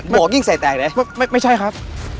บอกยิ่งใส่แตกได้ไม่ไม่ใช่ครับ